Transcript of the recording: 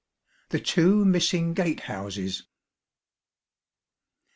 The Two Missing Gatehouses.